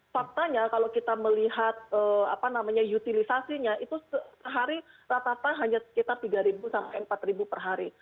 faktanya kalau kita melihat utilisasinya itu sehari rata rata hanya sekitar tiga sampai empat per hari